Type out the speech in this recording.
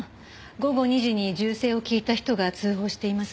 午後２時に銃声を聞いた人が通報しています。